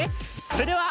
それでは。